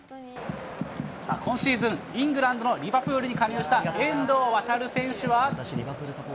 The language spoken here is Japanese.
今シーズン、イングランドのリバプールに加入した遠藤航選手は。